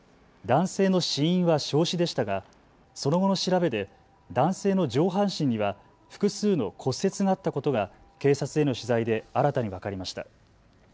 男性の死因は焼死でしたがその後の調べで男性の上半身には複数の骨折があったことが警察への取材で新たに分かりました。